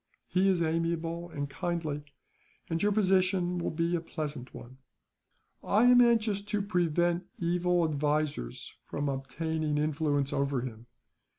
He is amiable and kindly, and your position will be a pleasant one. "I am anxious to prevent evil advisers from obtaining influence over him.